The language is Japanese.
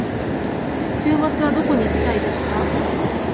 週末はどこに行きたいですか。